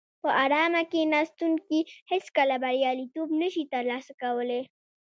په ارامه کیناستونکي هیڅکله بریالیتوب نشي ترلاسه کولای.